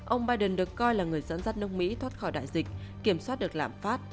ông biden được coi là người dẫn dắt nước mỹ thoát khỏi đại dịch kiểm soát được lạm phát